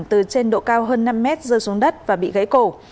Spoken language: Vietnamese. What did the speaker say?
từ trên độ cao hơn năm mét rơi xuống đất và bị gãy cổ